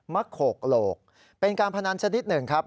โขกโหลกเป็นการพนันชนิดหนึ่งครับ